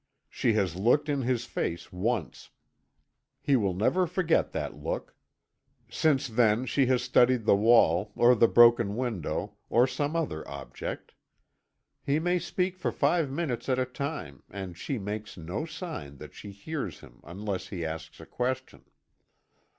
She has looked in his face once. He will never forget that look. Since then, she has studied the wall, or the broken window, or some other object. He may speak for five minutes at a time, and she makes no sign that she hears him unless he asks a question.